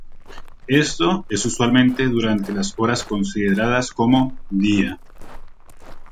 Esto es usualmente durante las horas consideradas como "día".